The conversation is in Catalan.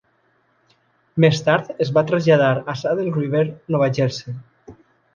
Més tard es va traslladar a Saddle River, Nova Jersey.